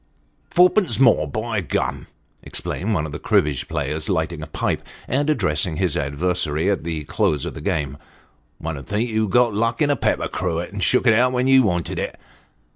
" Fourpence more, by gum !" exclaimed one of the cribbage players, lighting a pipe, and addressing his adversary at the close of the game ; "one 'ud think you'd got luck in a pepper cruet, and shook it out when you wanted it."